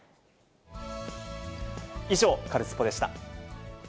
以上、カルスポっ！でした。